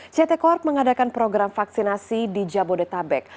ct corp mengadakan program vaksinasi di jabodetabek